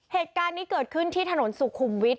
เหตุการณ์นี้เกิดขึ้นที่ถนนสุขุมวิทย